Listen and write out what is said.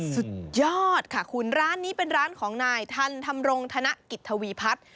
สุดยอดค่ะคุณร้านนี้เป็นร้านของนายทันธรรมรงธนกิจทวีพัฒน์